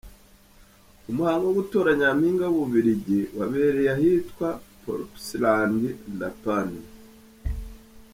Umuhango wo gutora Nyampinga w’Ububuligi wabereye ahitwa Plopsaland La Panne.